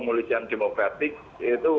pemulitian demokratik itu